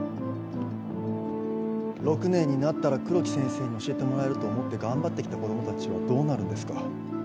６年になったら黒木先生に教えてもらえると思って頑張って来た子供たちはどうなるんですか。